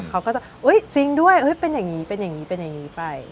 เขาก็จะจริงด้วยเป็นอย่างนี้เป็นอย่างนี้เป็นอย่างนี้ไป